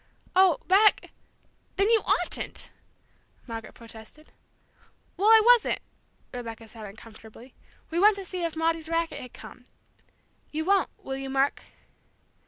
"Oh, Beck then you oughtn't!" Margaret protested. "Well, I wasn't!" Rebecca said uncomfortably. "We went to see if Maudie's racket had come. You won't will you, Mark?"